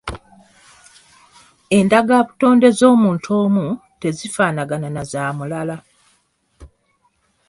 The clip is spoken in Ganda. Endagabutonde z'omuntu omu tezifaanagana na zamuntu mulala.